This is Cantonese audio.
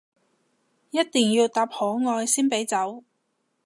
一定要答可愛先俾走